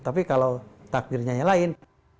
tapi kalau takdirnya lain